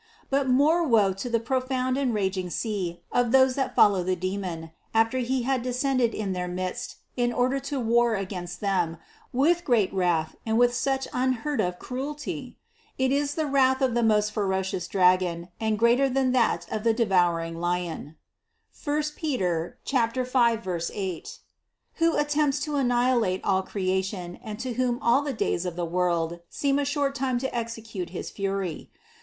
But more woe to the profound and raging sea of those that follow the demon, after he had descended in their midst in order to war against them with great wrath and with such unheard of cruelty ! It is the wrath of the most ferocious dragon, and greater than that of the devouring lion (I Pet. 5, 8), who attempts to annihilate all creation and to whom all the days of the world seem a short time to execute his fury.